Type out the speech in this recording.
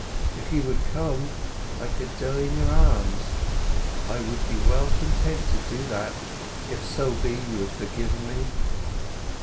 If you would come, I could die in your arms! I would be well content to do that if so be you had forgiven me!